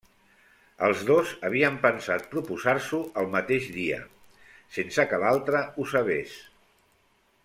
Els dos havien pensat proposar-s'ho el mateix dia, sense que l'altre ho sabés.